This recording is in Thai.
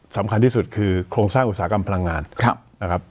สำคัญที่สุดคือโครงสร้างอุตสาหกรรมพลังงานนะครับ